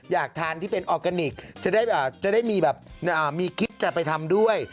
อยากทานที่เป็นออร์แกนิคจะได้มีแบบมีคิดจะไปทำด้วย